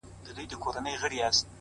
ما درته نه ويل لمنه به دي اور واخلي ته”